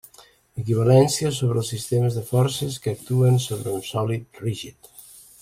Equivalència entre els sistemes de forces que actuen sobre un sòlid rígid.